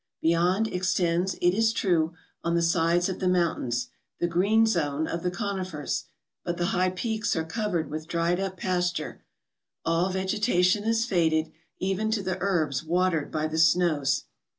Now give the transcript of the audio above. Beyond extends, it is true, on the sides of the mountains, the green zone of the conifers; but the high peaks are covered with dried up pasture; all vegetation has faded, even to the herbs watered by the snows.